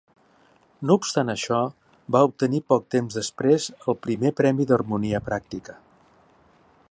No obstant això, va obtenir poc temps després el primer premi d'harmonia pràctica.